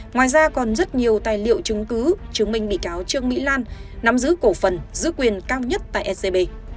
ngoài ra còn rất nhiều tài liệu chứng cứ chứng minh bị cáo trương mỹ lan nắm giữ cổ phần giữ quyền cao nhất tại scb